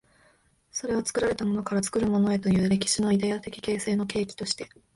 それは作られたものから作るものへという歴史のイデヤ的形成の契機として、